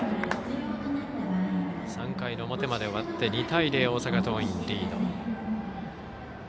３回の表まで終わって２対０大阪桐蔭リード。